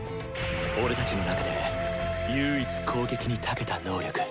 俺たちの中で唯一攻撃にたけた能力。